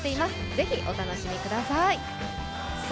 ぜひお楽しみください。